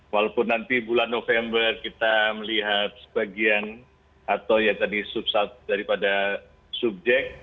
walaupun nanti bulan november kita melihat sebagian atau ya tadi subsite daripada subjek